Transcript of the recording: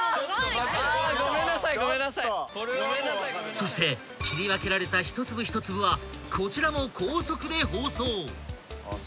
［そして切り分けられた一粒一粒はこちらも高速で包装］